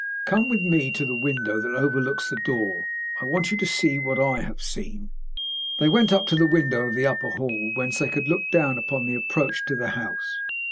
"Come up with me to the window that overlooks the door. I want you to see what I have seen." They went up to the window of the upper hall whence they could look down upon the approach to the house.